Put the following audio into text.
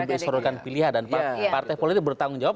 rakyat harus disuruhkan pilihan dan partai politik bertanggung jawab